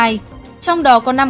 trong đó có năm ca